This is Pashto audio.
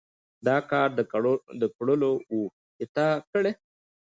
دا کار د کړلو وو چې تا کړى.